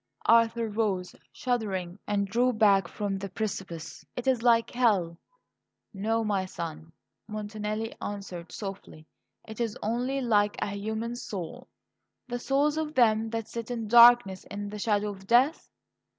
Arthur rose, shuddering, and drew back from the precipice. "It is like hell." "No, my son," Montanelli answered softly, "it is only like a human soul." "The souls of them that sit in darkness and in the shadow of death?"